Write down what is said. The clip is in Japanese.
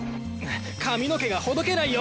髪の毛がほどけないよ！